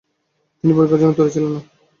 তিনি পরীক্ষার জন্য তৈরি ছিলেন না।